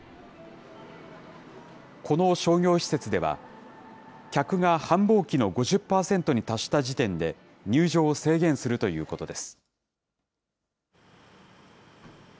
この商業施設では、客が繁忙期の５０％に達した時点で、入場を制限するということです。